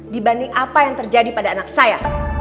dibanding apa yang terjadi pada anak saya